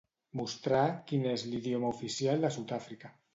Mostrar quin és l'idioma oficial de Sud-àfrica.